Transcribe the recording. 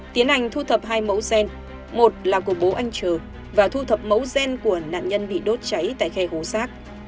tiến hành thu thập hai mẫu gen một là của bố anh trừ và thu thập mẫu gen của nạn nhân bị đốt cháy tại khe hố sát